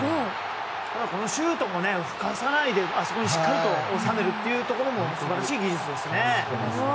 このシュートも、ふかさないであそこにしっかりと収めるというところも素晴らしい技術ですね。